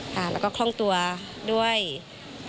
แล้วก็คล่องตัวด้วยค่ะ